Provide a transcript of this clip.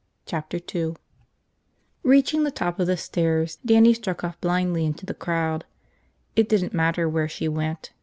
Chapter Two REACHING the top of the stairs, Dannie struck off blindly into the crowd. It didn't matter where she went.